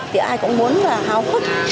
thì ai cũng muốn và hào hức